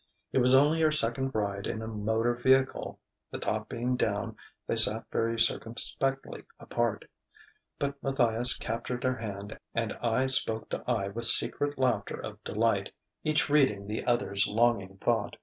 It was only her second ride in a motor vehicle. The top being down, they sat very circumspectly apart; but Matthias captured her hand and eye spoke to eye with secret laughter of delight, each reading the other's longing thought.